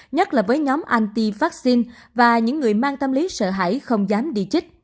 nhất là với nhóm anti vaccine và những người mang tâm lý sợ hãi không dám đi chích